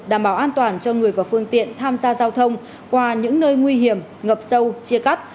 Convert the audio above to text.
đảm bảo an toàn cho người và phương tiện tham gia giao thông qua những nơi nguy hiểm ngập sâu chia cắt